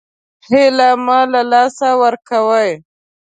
هیله مه له لاسه ورکوئ